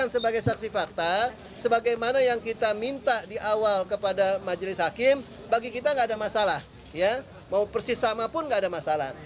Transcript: sebagai ahli itu dia harus netral dia harus independen